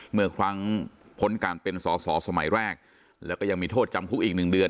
เมื่อครั้งพ้นการเป็นสอสอสมัยแรกแล้วก็ยังมีโทษจำคุกอีกหนึ่งเดือน